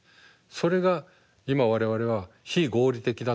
それが今我々は非合理的だと思う。